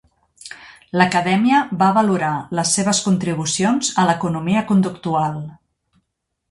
L'Acadèmia va valorar les seves contribucions a l'economia conductual.